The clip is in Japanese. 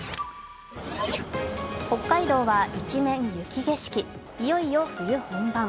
北海道は一面雪景色、いよいよ冬本番。